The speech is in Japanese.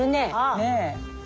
ねえ。